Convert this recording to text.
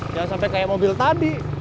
jangan sampai kayak mobil tadi